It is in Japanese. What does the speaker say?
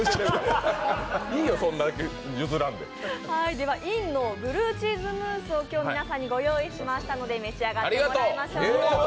では、Ｎｉのブルーチーズムースを皆さんにご用意しましたので、召し上がってもらいましょう。